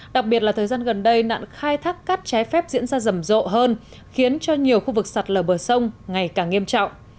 đặc biệt là thời gian gần đây nạn khai thác cát trái phép diễn ra rầm rộ hơn khiến cho nhiều khu vực sạt lở bờ sông ngày càng nghiêm trọng